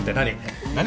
何？